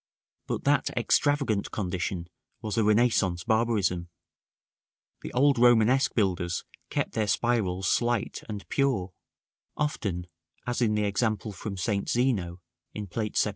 But that extravagant condition was a Renaissance barbarism: the old Romanesque builders kept their spirals slight and pure; often, as in the example from St. Zeno, in Plate XVII.